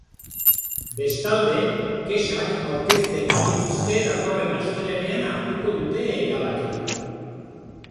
Bestalde, kexak aurkezten badituzte datorren astelehenean hartuko dute erabakia.